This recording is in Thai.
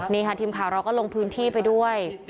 นี่ค่ะทีมข่าวเราก็ลงพื้นที่ไปด้วย